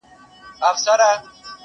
د سیند پر غاړه به زنګیږي ونه؛